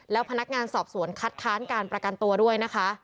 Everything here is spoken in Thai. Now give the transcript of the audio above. แล้วพนักงานสอบสวนคัดค้านการประกันตัวด้วยนะคะ